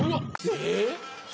えっ！